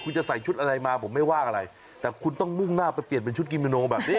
คุณจะใส่ชุดอะไรมาผมไม่ว่าอะไรแต่คุณต้องมุ่งหน้าไปเปลี่ยนเป็นชุดกิโมโนแบบนี้